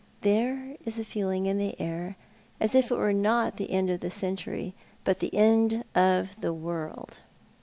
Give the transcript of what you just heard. There is a feeling in the air as if it were not the end of the century, but the end of the world.